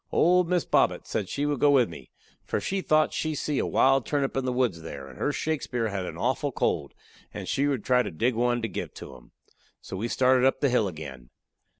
Old Miss Bobbet said she would go with me, for she thought she see a wild turnip in the woods there, and her Shakespeare had a awful cold, and she would try to dig one to give him. So we started up the hill again.